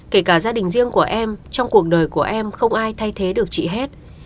kể cả gia đình riêng của em trong cuộc đời của em không ai thay thế được chị hết